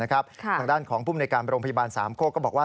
ทางด้านของภูมิในการโรงพยาบาลสามโคกก็บอกว่า